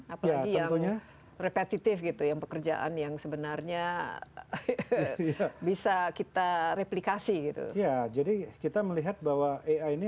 apalagi yang repetitif gitu yang pekerjaan yang sebenarnya bisa kita replikasi gitu ya jadi kita melihat bahwa ini